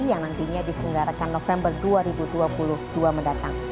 yang nantinya diselenggarakan november dua ribu dua puluh dua mendatang